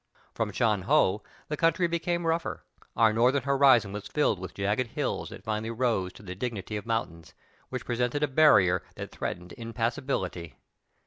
From Sha Ho the country became rougher ; our northern horizon was filled with jagged hills that finally rose to the dignity of mountains, which presented a barrier of threatened impassibility.